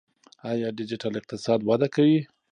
آیا ډیجیټل اقتصاد وده کوي؟